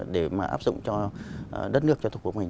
để mà áp dụng cho đất nước cho thục của mình